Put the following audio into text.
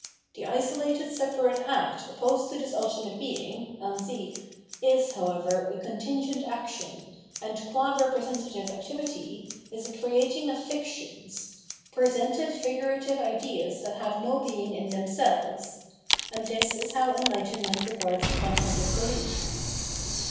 The isolated separate act opposed to this ultimate Beiag {Ansich) is, however, a contingent action, and, gua pre sentative activity, is a creating of fictions, — presented figurative ideas that have no being m themselves. And this is how enhghtenment regards the content of belief.